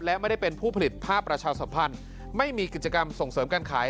และไม่ได้เป็นผู้ผลิตภาพประชาสัมพันธ์ไม่มีกิจกรรมส่งเสริมการขาย